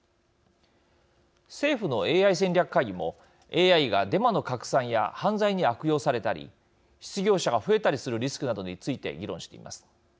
政府のＡＩ戦略会議もＡＩがデマの拡散や犯罪に悪用されたり失業者が増えたりするリスクなどについて議論しています。